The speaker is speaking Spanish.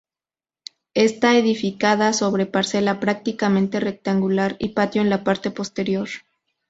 Está edificada sobre parcela prácticamente rectangular y patio en la parte posterior.